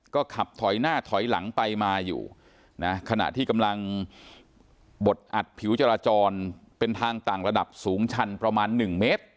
ก็ขับถอยหน้าถอยหลังไปมาอยู่นะขณะที่กำลังบดอัดผิวจราจรเป็นทางต่างระดับสูงชันประมาณ๑เมตร